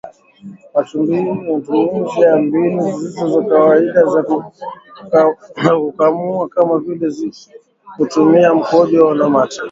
Matumizi ya mbinu zisizo za kawaida za kukamua kama vile kutumia mkojo na mate